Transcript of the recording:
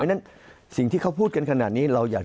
มุมนักวิจักรการมุมประชาชนทั่วไป